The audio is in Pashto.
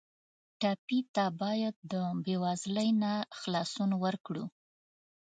ټپي ته باید د بېوزلۍ نه خلاصون ورکړو.